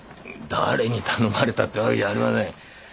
誰に頼まれたって訳じゃありません。